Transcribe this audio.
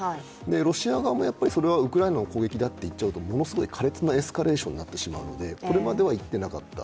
ロシア側もウクライナの攻撃だと言ってしまうとものすごい苛烈なエスカレーションになってしまうので、これまでは言っていなかった。